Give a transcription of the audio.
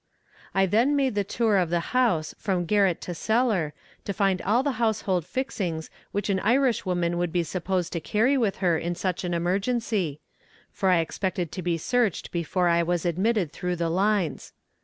I then made the tour of the house from garret to cellar, to find all the household fixings which an Irishwoman would be supposed to carry with her in such an emergency for I expected to be searched before I was admitted through the lines.